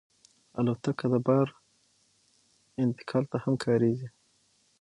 الوتکه د بار انتقال ته هم کارېږي.